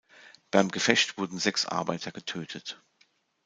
Beim Gefecht wurden sechs Arbeiter getötet.